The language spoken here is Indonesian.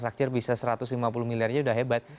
structure bisa satu ratus lima puluh miliardnya udah hebat